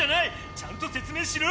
ちゃんと説明しろ！